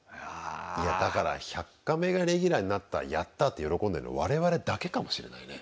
いやだから「１００カメ」がレギュラーになったやった！って喜んでるの我々だけかもしれないね。